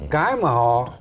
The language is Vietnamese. cái mà họ